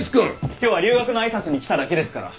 今日は留学の挨拶に来ただけですから。